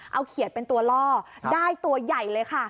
เอาเขียดเป็นตัวล่อได้ตัวใหญ่เลยค่ะ